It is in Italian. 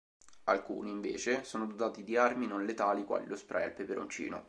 Alcuni, invece, sono dotati di armi non letali quali lo spray al peperoncino.